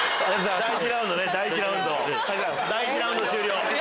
第１ラウンドね。